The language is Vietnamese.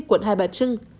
quận hai bà trưng